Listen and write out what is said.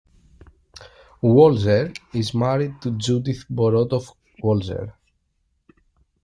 Walzer is married to Judith Borodovko Walzer.